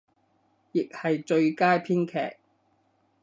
亦係最佳編劇